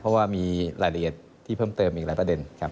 เพราะว่ามีรายละเอียดที่เพิ่มเติมอีกหลายประเด็นครับ